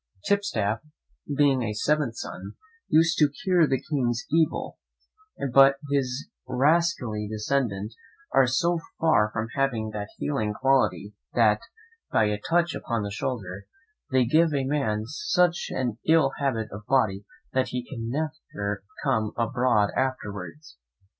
Tipstaff, being a seventh son, used to cure the king's evil; but his rascally descendants are so far from having that healing quality that, by a touch upon the shoulder, they give a man such an ill habit of body that he can never come abroad afterwards.